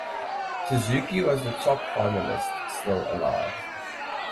Suzuki was the top finalist still alive.